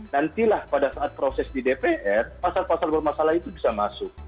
nantilah pada saat proses di dpr pasal pasal bermasalah itu bisa masuk